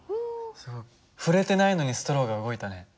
触れてないのにストローが動いたね。